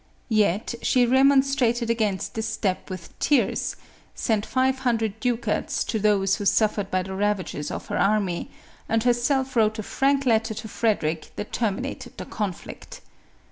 Yet she remonstrated against this step with tears, sent five hundred ducats to those who suffered by the ravages of her army, and herself wrote a frank letter to Frederic that terminated the conflict.